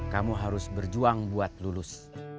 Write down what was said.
kamu harus berjuang buat lulus